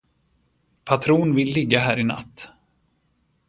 Patron vill ligga här i natt.